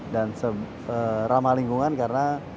dan ramah lingkungan karena